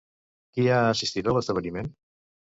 Qui ha assistit a l'esdeveniment?